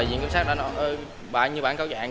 bạn như bản câu dạng